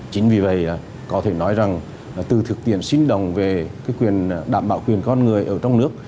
chính vì vậy có thể nói rằng từ thực tiện sinh đồng về quyền đảm bảo quyền con người ở trong nước